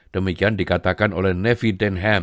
demikian dikatakan oleh nevi denham